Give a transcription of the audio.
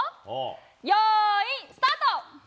よーい、スタート。